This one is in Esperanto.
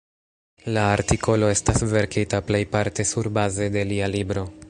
La artikolo estas verkita plejparte surbaze de lia libro.